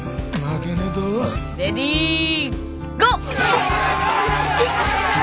レディーゴー。